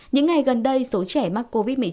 những ngày gần đây số trẻ mắc covid một mươi chín